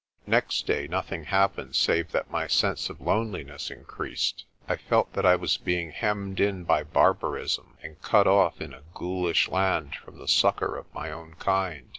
Next day nothing happened, save that my sense of lone liness increased. I felt that I was being hemmed in by barbarism, and cut off in a ghoulish land from the succour of my own kind.